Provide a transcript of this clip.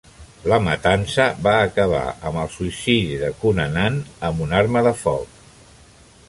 La matança va acabar amb el suïcidi de Cunanan amb un arma de foc.